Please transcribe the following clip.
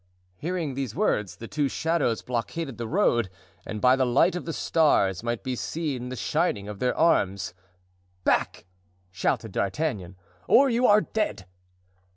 Hearing these words, the two shadows blockaded the road and by the light of the stars might be seen the shining of their arms. "Back!" shouted D'Artagnan, "or you are dead!"